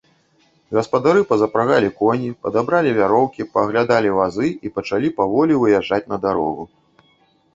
Гаспадары пазапрагалі коні, падабралі вяроўкі, пааглядалі вазы і пачалі паволі выязджаць на дарогу.